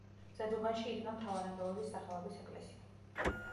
ზედუბანში იდგა მთავარანგელოზის სახელობის ეკლესია.